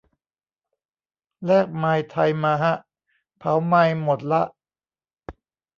แลกไมล์ไทยมาฮะ เผาไมล์หมดละ